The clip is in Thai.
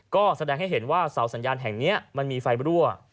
ก็จะเห็นว่าเสาสัญญาณแห่งนี้มันมีไฟมันรั่ว